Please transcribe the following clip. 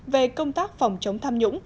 về công tác phòng chống tham nhũng